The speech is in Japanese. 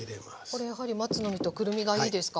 これやはり松の実とくるみがいいですか？